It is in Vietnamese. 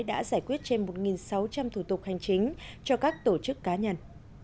đã giải quyết trên một sáu trăm linh thủ tục hành chính cho các tổ chức cá nhân